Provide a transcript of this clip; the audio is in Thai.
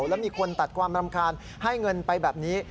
แล้วมีคนตัดความรำคาญให้เงินไปแบบนี้